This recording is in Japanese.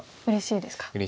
うれしいですか。